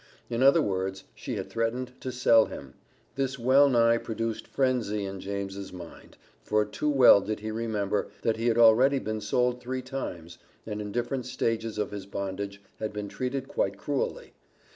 In other words she had threatened to sell him; this well nigh produced frenzy in James's mind, for too well did he remember, that he had already been sold three times, and in different stages of his bondage had been treated quite cruelly.